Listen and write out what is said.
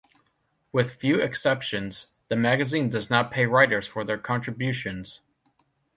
With few exceptions, the magazine does not pay writers for their contributions.